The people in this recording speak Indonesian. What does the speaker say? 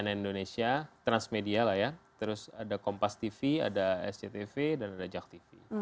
cnn indonesia transmedia lah ya terus ada kompas tv ada sctv dan ada jak tv